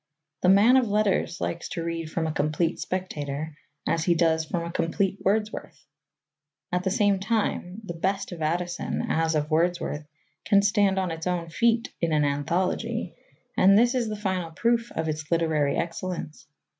The man of letters likes to read from a complete Spectator as he does from a complete Wordsworth. At the same time, the best of Addison, as of Wordsworth, can stand on its own feet in an anthology, and this is the final proof of its literary excellence.